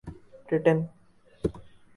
Britain